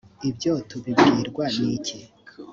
ibyo tubibwirwa n iki